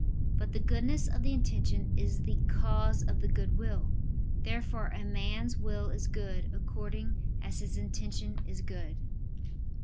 But the goodness of the intention is the cause of the good will. Therefore a man's will is good, according as his intention is good.